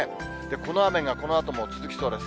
この雨がこのあとも続きそうです。